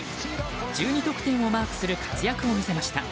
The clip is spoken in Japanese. １２得点をマークする活躍を見せました。